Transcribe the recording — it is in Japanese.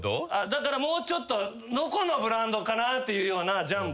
だからもうちょっとどこのブランドかな？っていうようなジャンパー。